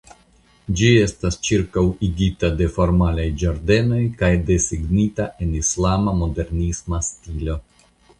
Ĝi estas ĉirkaŭigita de formalaj ĝardenoj kaj desegnita en islama modernisma stilo.